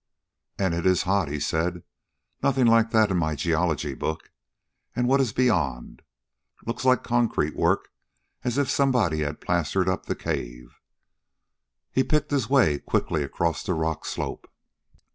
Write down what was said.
"And is it hot!" he said. "Nothing like that in my geology book. And what is beyond? Looks like concrete work, as if someone had plastered up the cave." He picked his way quickly across the rock slope.